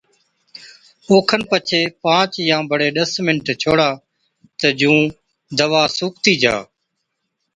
او کن پڇي پانچ يان بڙي ڏس منٽ ڇوڙا تہ جُون دَوا سُوڪتِي جا۔